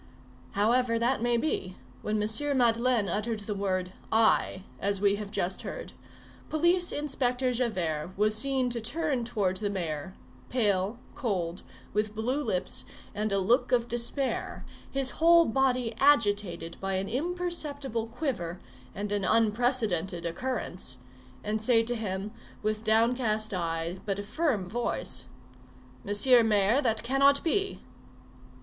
However that may be, when M. Madeleine uttered that word, I, as we have just heard, Police Inspector Javert was seen to turn toward the mayor, pale, cold, with blue lips, and a look of despair, his whole body agitated by an imperceptible quiver and an unprecedented occurrence, and say to him, with downcast eyes but a firm voice:— "Mr. Mayor, that cannot be."